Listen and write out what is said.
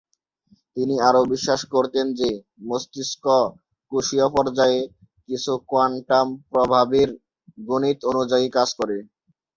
তিনি আরও বিশ্বাস করতেন যে মস্তিষ্ক কোষীয় পর্যায়ে, কিছু কোয়ান্টাম প্রভাবের গণিত অনুযায়ী কাজ করে।